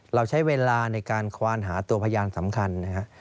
เราใช้เวลาในการควานหาตัวพยานสำคัญนะครับ